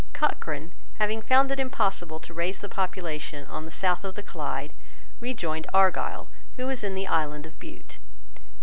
Cochrane, having found it impossible to raise the population on the south of the Clyde, rejoined Argyle, who was in the island of Bute.